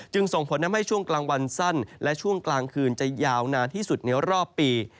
ส่งผลทำให้ช่วงกลางวันสั้นและช่วงกลางคืนจะยาวนานที่สุดในรอบปี